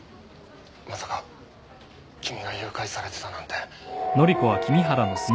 まさか君が誘拐されてたなんて。